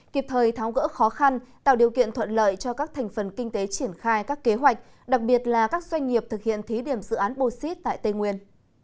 kịp thời tháo gỡ khó khăn tạo điều kiện thuận lợi cho các thành phần kinh tế triển khai các kế hoạch đặc biệt là các doanh nghiệp thực hiện thí điểm dự án bosit tại tây nguyên